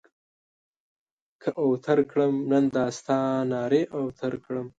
که اوتر کړم؛ نن دا ستا نارې اوتر کړم.